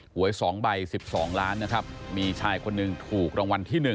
หวย๒ใบ๑๒ล้านนะครับมีชายคนหนึ่งถูกรางวัลที่๑